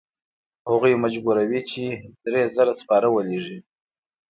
هغوی مجبوروي چې درې زره سپاره ولیږي.